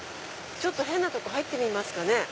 ちょっと変なとこ入ってみますかね。